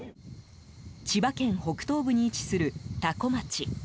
千葉県北東部に位置する多古町。